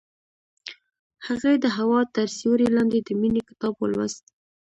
هغې د هوا تر سیوري لاندې د مینې کتاب ولوست.